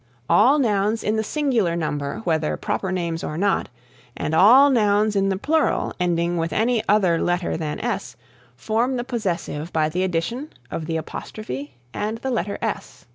All nouns in the singular number whether proper names or not, and all nouns in the plural ending with any other letter than s, form the possessive by the addition of the apostrophe and the letter s.